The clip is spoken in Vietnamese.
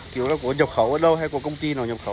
kiểu là của nhập khấu ở đâu hay của công ty nào nhập khấu